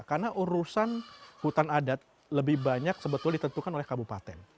karena urusan hutan adat lebih banyak sebetulnya ditentukan oleh kabupaten